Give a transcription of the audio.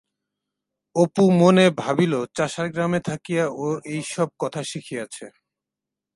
অপু মনে ভাবিল চাষার গ্রামে থাকিয়া ও এই সব কথা শিখিয়াছে।